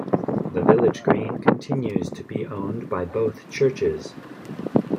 The village green continues to be owned by both churches.